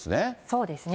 そうですね。